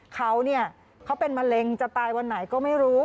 เขาเนี่ยเขาเป็นมะเร็งจะตายวันไหนก็ไม่รู้